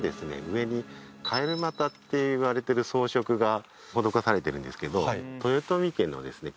上に蟇股っていわれてる装飾が施されてるんですけど豊臣家のですね